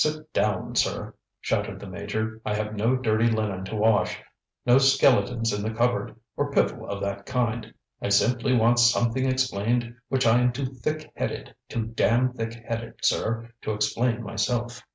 Sit down, sir! ŌĆØ shouted the Major. ŌĆ£I have no dirty linen to wash, no skeletons in the cupboard or piffle of that kind. I simply want something explained which I am too thick headed too damned thick headed, sir to explain myself.